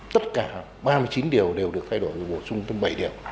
tất cả ba mươi chín điều đều được thay đổi bổ sung thêm bảy điểm